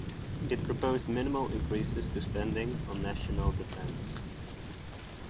It proposed minimal increases to spending on national defence.